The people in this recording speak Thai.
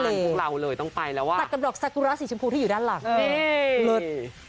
น้ำทะเลตัดกับดอกสักุระสีชมพูที่อยู่ด้านหลังเลยต้องไปแล้วว่าเล็ด